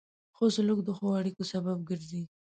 ښه سلوک د ښو اړیکو سبب ګرځي.